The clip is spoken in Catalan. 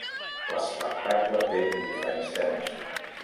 L'espectacle té diferents temes.